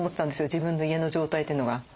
自分の家の状態というのが。